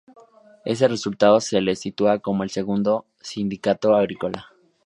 Este resultado la situaba como el segundo sindicato agrícola.